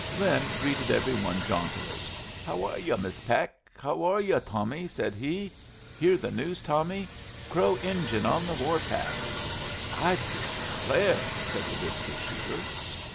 Lin greeted every one jauntily. "How are yu', Miss Peck? How are yu', Tommy?" said he. "Hear the news, Tommy? Crow Injuns on the war path." "I declare!" said the biscuit shooter.